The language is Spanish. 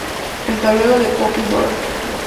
El tablero de Poppy Bros.